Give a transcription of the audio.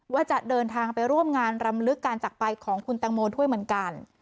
ว่าจะเดินทางไปร่วมงานรำลึกการจักรไปของคุณตังโมด้วยเหมือนกัน